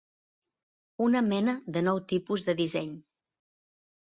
Una mena de nou tipus de disseny.